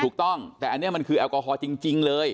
ถูกต้องแต่อันนี้มันคือแอลกอฮอลจริงเลย